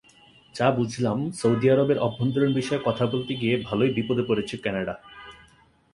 ফলে সৌদি আরবের অভ্যন্তরীণ বিষয়ে কথা বলতে গিয়ে ভালোই বিপদে পড়েছে কানাডা।